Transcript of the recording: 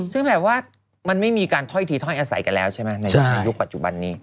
ซึ่งแบบว่ามันไม่มีการถ้อยทีถ้อยอาศัยกันแล้วใช่ไหมในยุคปัจจุบันนี้